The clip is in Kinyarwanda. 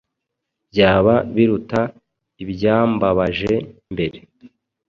Byaba biruta ibyambabaje mbere